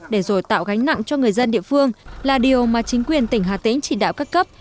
để rồi tạo gánh nặng cho người dân địa phương là điều mà chính quyền tỉnh hà tĩnh chỉ đạo các cấp